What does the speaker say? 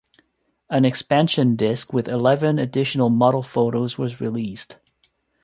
An expansion disk with eleven additional model photos was released.